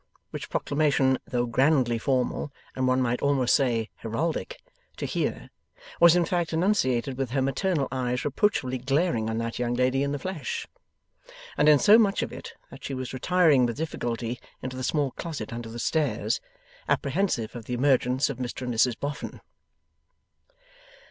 which proclamation, though grandly formal, and one might almost say heraldic, to hear, was in fact enunciated with her maternal eyes reproachfully glaring on that young lady in the flesh and in so much of it that she was retiring with difficulty into the small closet under the stairs, apprehensive of the emergence of Mr and Mrs Boffin.